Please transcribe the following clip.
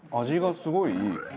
味がすごいいい。